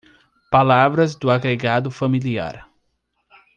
Palavras do agregado familiar